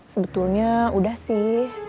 sebetulnya udah sih